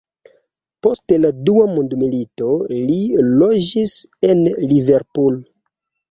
Post la dua mondmilito li loĝis en Liverpool.